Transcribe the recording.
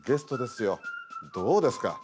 どうですか？